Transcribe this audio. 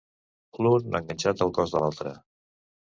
L'un enganxat al cos de l'altre.